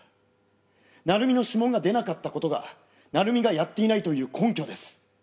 成美の指紋が出なかった事が成美がやっていないという根拠です。